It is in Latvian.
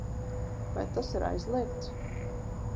Vai tas ir aizliegts?